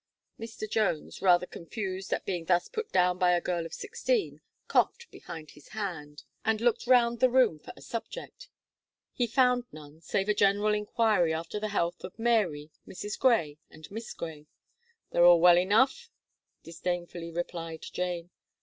Mr. Jones, rather confused at being thus put down by a girl of sixteen, coughed behind his hand, and looked round the room for a subject. He found none, save a general inquiry after the health of Mary, Mrs. Gray, and Miss Gray. "They're all well enough," disdainfully replied Jane.